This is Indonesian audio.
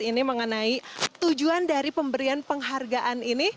ini mengenai tujuan dari pemberian penghargaan ini